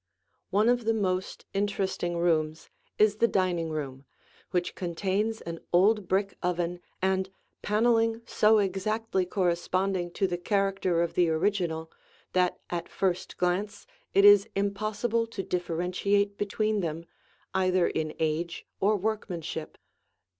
One of the most interesting rooms is the dining room, which contains an old brick oven and paneling so exactly corresponding to the character of the original that at first glance it is impossible to differentiate between them, either in age or workmanship.